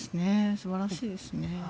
素晴らしいですね。